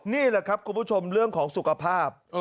นี่แหละครับคุณผู้ชมเรื่องของสุขภาพ